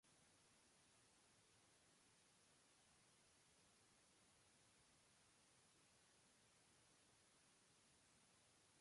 Ĉu parolantoj de aliaj artefaritaj lingvoj estas malamikoj de la subtenantoj de Esperanto?